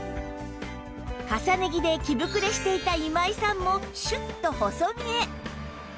重ね着で着ぶくれしていた今井さんもシュッと細見え！